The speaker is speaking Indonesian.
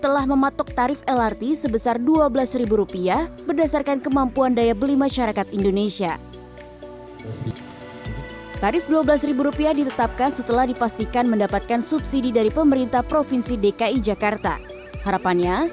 lrt tahap tiga